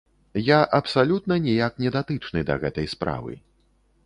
Я абсалютна ніяк не датычны да гэтай справы.